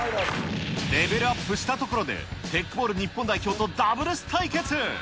レベルアップしたところで、テックボール日本代表とダブルス対決。